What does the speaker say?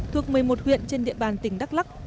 thuộc một mươi một huyện trên địa bàn tỉnh đắk lắc